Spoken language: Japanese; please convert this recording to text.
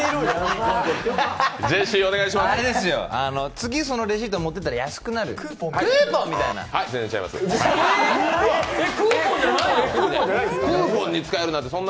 次、そのレシート持っていったら安くなる、クーポンみたいな。